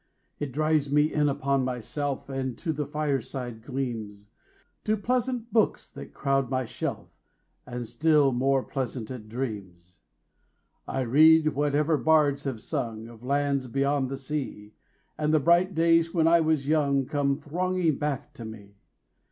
It drives me in upon myself 5 And to the fireside gleams, To pleasant books that crowd my shelf, And still more pleasant dreams. I read whatever bards have sung Of lands beyond the sea, 10 And the bright days when I was young Come thronging back to me.